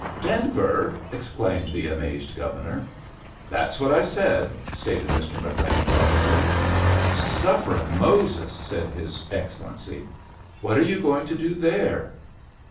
"Denverl" exclaimed the amazed Gov ernor. "That's what I said," stated Bt. McLean, doK«iIy. "Suffering MosesI" said his Excellency. "What are you going to do there?"